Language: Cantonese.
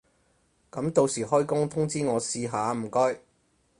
噉到時開工通知我試下唔該